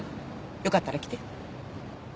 よかったら来て。